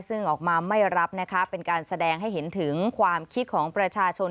ซึ่งออกมาไม่รับนะคะเป็นการแสดงให้เห็นถึงความคิดของประชาชน